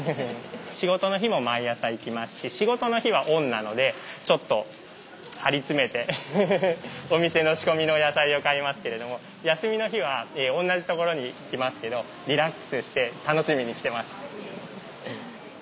仕事の日も毎朝行きますし仕事の日はオンなのでちょっと張り詰めてお店の仕込みの野菜を買いますけれども休みの日は同じところに来ますけどリラックスして楽しみに来てます。